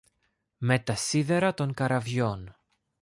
Με τα σίδερα των καραβιών.